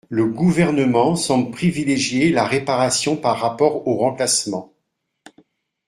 Le Gouvernement semble privilégier la réparation par rapport au remplacement.